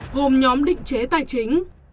gồm nhóm định chế tài chính